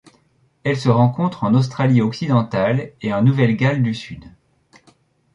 Elles se rencontrent en Australie-Occidentale et en Nouvelle-Galles du Sud.